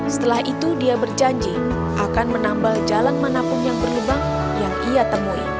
setelah itu dia berjanji akan menambal jalan manapun yang berlubang yang ia temui